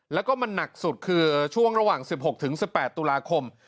แล้วก็มันหนักสุดคือช่วงระหว่าง๑๖๑๘ตุลาคม